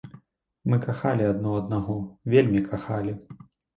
Мы кахалі адно аднаго, вельмі кахалі.